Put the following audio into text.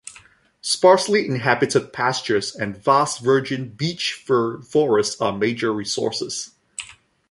Sparsely inhabited pastures and vast virgin beech-fir forests are major resources.